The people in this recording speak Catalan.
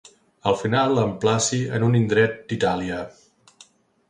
Al final l'emplaci en un indret d'Itàlia.